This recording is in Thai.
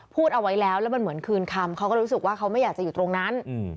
พูดเอาไว้แล้วแล้วมันเหมือนคืนคำเขาก็รู้สึกว่าเขาไม่อยากจะอยู่ตรงนั้น